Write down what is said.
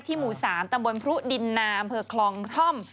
ที่หมู่๓ตามบลพรซึดินนามวกขลองถ้อม